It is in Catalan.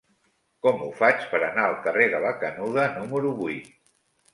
Com ho faig per anar al carrer de la Canuda número vuit?